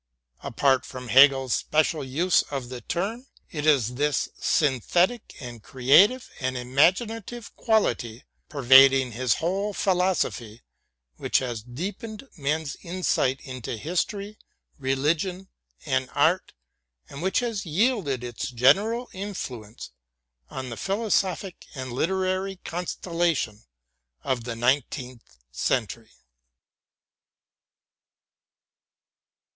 Apart from Hegel's special use of the term, it is this synthetic and creative and im aginative quality pervading his whole philosophy which has deepened men's insight into history, religion, and art, and which has wielded its general influence on the philosophic and literary constellation of the nineteenth century.